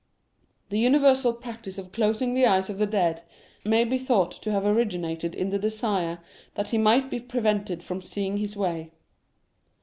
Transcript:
The universal practice of closing the eyes of the dead may be thought to have originated in the desire that he might be prevented from seeing his way.